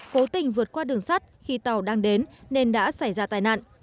cố tình vượt qua đường sắt khi tàu đang đến nên đã xảy ra tai nạn